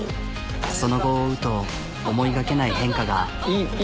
その後を追うと思いがけない変化が。